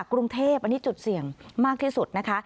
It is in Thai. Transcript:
กรุงเทพอันนี้จุดเสี่ยงมากที่สุดนะคะ